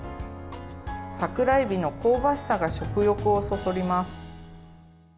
桜えびの香ばしさが食欲をそそります。